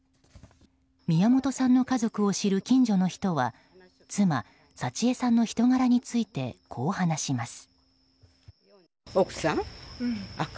宮本さんの家族を知る近所の人は妻・幸枝さんの人柄についてこう話します。